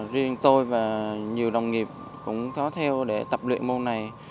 riêng tôi và nhiều đồng nghiệp cũng có theo để tập luyện môn này